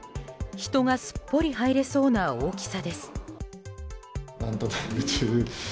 人がすっぽり入れそうな大きさです。